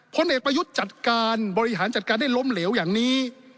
พลเอกประยุทธ์จัดการบริหารจัดการได้ล้มเหลวอย่างนี้